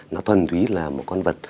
nó thuần thúy là một con vật